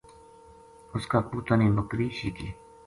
اس کا پُوتاں نے بکری شیکی